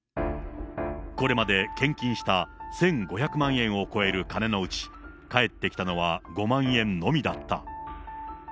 これまで献金した１５００万円を超える金のうち、返ってきたのは５万円のみだった。